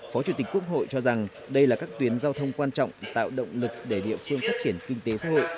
phó chủ tịch quốc hội cho rằng đây là các tuyến giao thông quan trọng tạo động lực để địa phương phát triển kinh tế xã hội